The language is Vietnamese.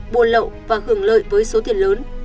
buôn lậu và hưởng lợi với số tiền lớn